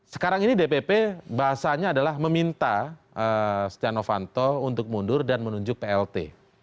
sekarang ini dpp bahasanya adalah meminta setia novanto untuk mundur dan menunjuk plt